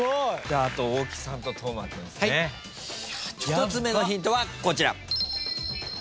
１つ目のヒントはこちら。